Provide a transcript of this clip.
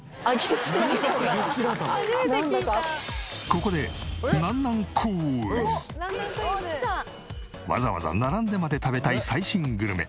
ここでわざわざ並んでまで食べたい最新グルメ。